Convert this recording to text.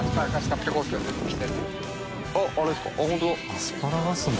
アスパラガスも？